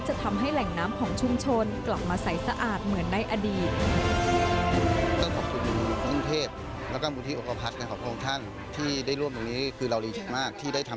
จะทำให้แหล่งน้ำของชุมชนกลับมาใสสะอาดเหมือนในอดีต